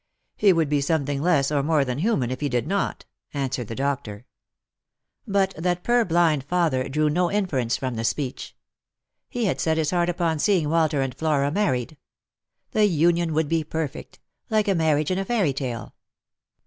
"He would be something less, or more, than human if he did not," answered the doctor. But that purblind father drew no inference from the speech. He had set his heart upon seeing Walter and Flora married. The union would be perfect, like a marriage in a fairy tale.